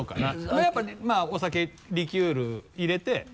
まぁやっぱねお酒リキュール入れて。